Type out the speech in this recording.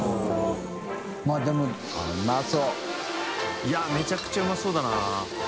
いやめちゃくちゃうまそうだな。